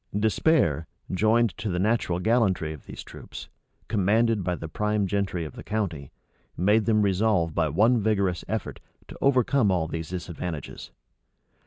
Despair, joined to the natural gallantry of these troops, commanded by the prime gentry of the county, made them resolve by one vigorous effort, to overcome all these disadvantages.